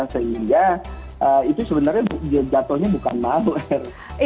sehingga itu sebenarnya jadwalnya bukan malware